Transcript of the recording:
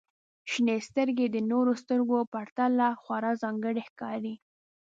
• شنې سترګې د نورو سترګو په پرتله خورا ځانګړې ښکاري.